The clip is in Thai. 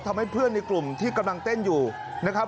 ทำให้เพื่อนในกลุ่มที่กำลังเต้นอยู่นะครับ